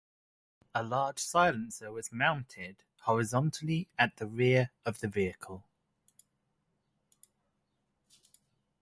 A large silencer was mounted horizontally at the rear of the vehicle.